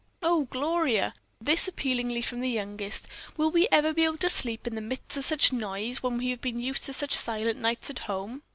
"Oh, Gloria!" this appealingly from the youngest, "will we ever be able to sleep in the midst of such noise, when we have been used to such silent nights at home?"